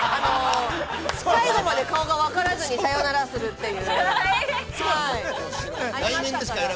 最後まで顔が分からずにさよならするっていう。